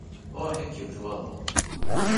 Ɣur-k ad k-iwet waḍu.